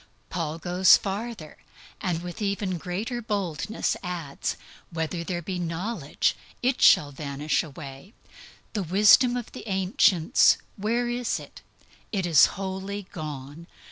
Then Paul goes farther, and with even greater boldness adds, "Whether there be knowledge, it shall be done away." The wisdom of the ancients, where is it? It is wholly gone.